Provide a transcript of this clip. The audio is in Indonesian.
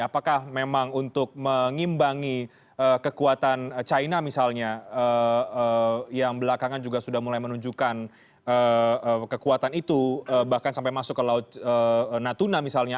apakah memang untuk mengimbangi kekuatan china misalnya yang belakangan juga sudah mulai menunjukkan kekuatan itu bahkan sampai masuk ke laut natuna misalnya